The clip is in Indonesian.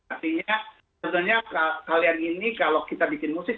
artinya sebenarnya kalian ini kalau kita bikin musik